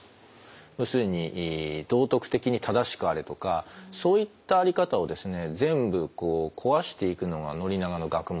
要するに道徳的に正しくあれとかそういった在り方を全部壊していくのが宣長の学問なんですね。